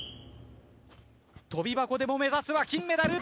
跳び箱でも目指すは金メダル。